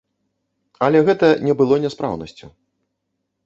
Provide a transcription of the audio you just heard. Але гэта не было няспраўнасцю.